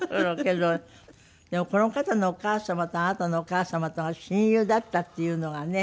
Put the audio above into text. でもこの方のお母様とあなたのお母様とが親友だったっていうのがね。